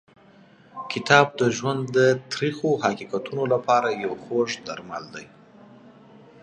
کتاب د ژوند د تریخو حقیقتونو لپاره یو خوږ درمل دی.